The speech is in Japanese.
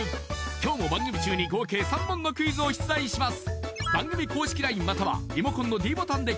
今日も番組中に合計３問のクイズを出題します